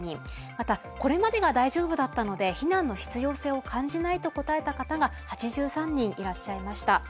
またこれまでが大丈夫だったので避難の必要性を感じないと答えた方が８３人いらっしゃいました。